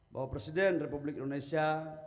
bapak presiden republik indonesia